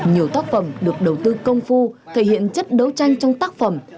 nhiều tác phẩm được đầu tư công phu thể hiện chất đấu tranh trong tác phẩm